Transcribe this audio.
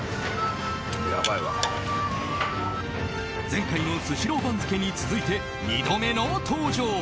前回のスシロー番付に続いて２度目の登場。